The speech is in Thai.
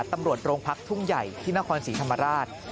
ตำรวจโรงพักทุ่งใหญ่ที่นครศรีธรรมราช